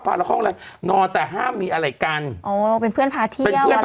ละข้องอะไรนอนแต่ห้ามมีอะไรกันอ๋อเป็นเพื่อนพาเที่ยวเป็นเพื่อนพา